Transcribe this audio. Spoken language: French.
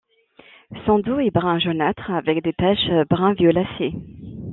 Son dos est brun jaunâtre avec des taches brun violacé.